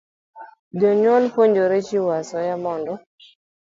Jonyuol jopuonjrego chiwo asoya mondo